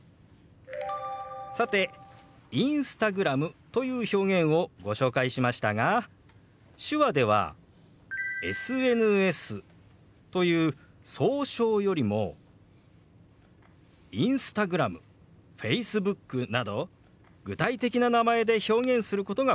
さてＩｎｓｔａｇｒａｍという表現をご紹介しましたが手話では「ＳＮＳ」という総称よりも「Ｉｎｓｔａｇｒａｍ」「Ｆａｃｅｂｏｏｋ」など具体的な名前で表現することが好まれるんです。